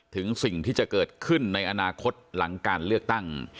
ถึงสิ่งที่จะเกิดขึ้นในอนาคตหลังการเลือกตั้ง